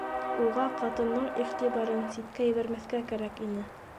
Уға ҡатындың иғтибарын ситкә ебәрмәҫкә кәрәк ине.